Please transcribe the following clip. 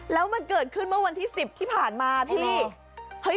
แล้วมันเกิดขึ้นเมื่อวันที่๑๐ที่ผ่านมาพี่